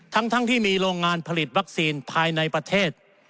ทั้งที่มีโรงงานผลิตวัคซีนภายในประเทศ